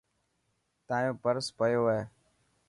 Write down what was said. تايو پرس پيو هي.